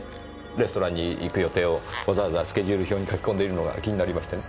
レストランに行く予定をわざわざスケジュール表に書き込んでいるのが気になりましてね。